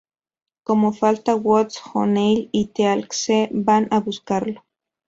Como falta Woods, O'Neill y Teal'c van a buscarlo.